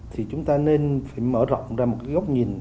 thì chúng ta nên mở rộng ra một góc nhìn